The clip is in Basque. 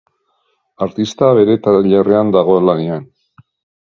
Artista bere tailerrean dago lanean.